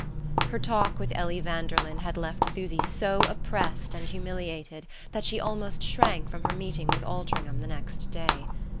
Her talk with Ellie Vanderlyn had left Susy so oppressed and humiliated that she almost shrank from her meeting with Altringham the next day.